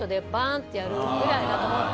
ってやるぐらいだと思って。